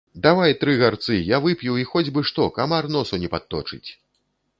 Давай тры гарцы, я вып'ю і хоць бы што, камар носу не падточыць!